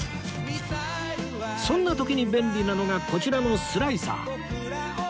そんな時に便利なのがこちらのスライサー